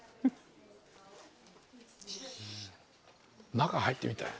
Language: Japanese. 中入ってみたい。